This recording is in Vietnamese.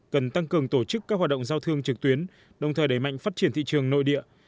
cần tăng cường tổ chức các hoạt động giao thương trực tuyến đồng thời đẩy mạnh phát triển thị trường nội địa